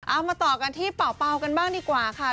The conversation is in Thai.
เอามาต่อกันที่เป่ากันบ้างดีกว่าค่ะ